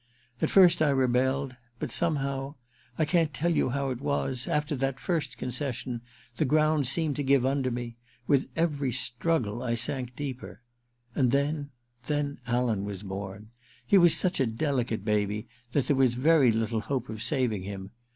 At first I rebelled — ^but somehow — I can*t tell you how it was — after that first concession the ground seemed to give under me : with every struggle I sank deepen And then — then Alan was born. He was such a delicate baby that there was very little hope of saving him.